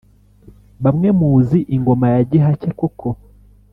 bamwe muzi ingoma ya gihake koko